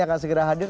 akan segera hadir